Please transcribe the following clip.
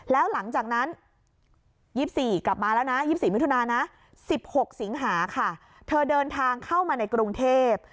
๑๖สิงหาค่ะเธอเดินทางเข้ามาในกรุงเทพฯ